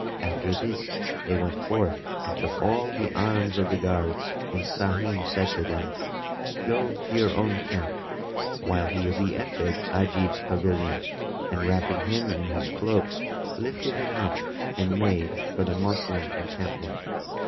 After this they went forth and took all the arms of the guards and Sahim said to them, "Go to your own camp;" while he re entered Ajib's pavilion and, wrapping him in his cloak, lifted him up and made for the Moslem encampment.